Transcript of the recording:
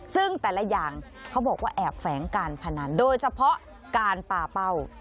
ซึ่งแต่ละอย่างเขาบอกว่าแอบแฝงการพนันโดยเฉพาะการปาเป้า